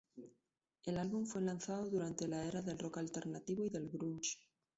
El álbum fue lanzado durante la era del rock alternativo y del grunge.